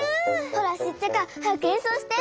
ほらシッチャカはやくえんそうして！